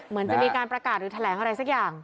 เหมือนจะมีการประกาศหรือแถลงอะไรสักอย่าง